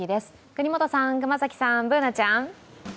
國本さん、熊崎さん、Ｂｏｏｎａちゃん。